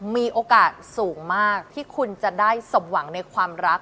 มีโอกาสสูงมากที่คุณจะได้สมหวังในความรัก